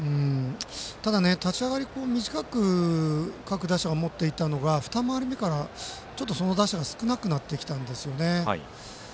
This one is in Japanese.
ただ、立ち上がり短く各打者が持っていたのが二回り目から、その打者が少なくなってきたんですよね。